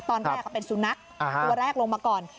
ตอนแรกเป็นสุนัขตัวแรกลงมาก่อน